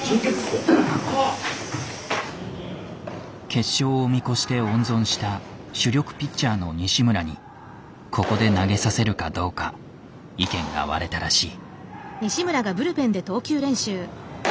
決勝を見越して温存した主力ピッチャーの西村にここで投げさせるかどうか意見が割れたらしい。